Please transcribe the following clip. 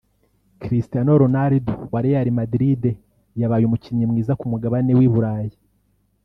Cristiano Ronaldo wa Real Madrid yabaye umukinnyi mwiza ku mugabane w’i Burayi